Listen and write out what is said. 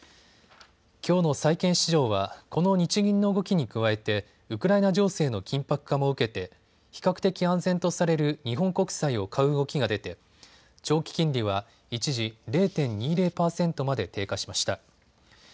きょうの債券市場は、この日銀の動きに加えて、ウクライナ情勢の緊迫化も受けて比較的安全とされる日本国債を買う動きが出て長期金利は、一時０．２％まで低下しました。